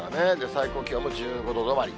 最高気温も１５度止まり。